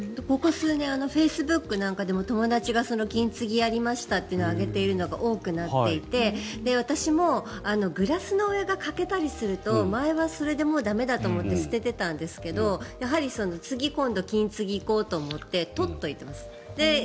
ここ数年フェイスブックなんかでも友達が金継ぎやりましたというのを上げているのが多くなっていて私もグラスの上が欠けたりすると前はそれでもう駄目だと思って捨ててたんですけどやはり次、今度は金継ぎに行こうと思って取っておいています。